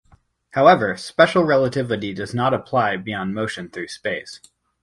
However, special relativity does not apply beyond motion through space.